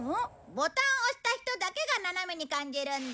ボタンを押した人だけが斜めに感じるんだ。